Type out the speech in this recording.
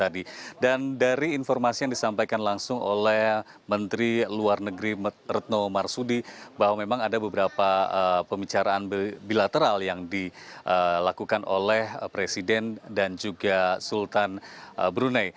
dan dari informasi yang disampaikan langsung oleh menteri luar negeri retno marsudi bahwa memang ada beberapa pembicaraan bilateral yang dilakukan oleh presiden dan juga sultan brunei